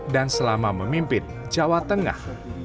dan selama memimpin jawa tengah